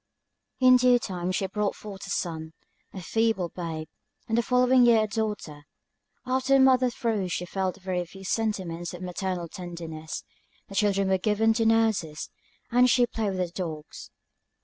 In due time she brought forth a son, a feeble babe; and the following year a daughter. After the mother's throes she felt very few sentiments of maternal tenderness: the children were given to nurses, and she played with her dogs.